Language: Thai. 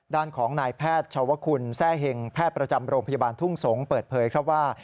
ด้านของนายแพทย์ชาวคุณแทร่เห็งแพทย์ประจำโรงพยาบาลทุ่งสงศ์เปิดเผยครับว่า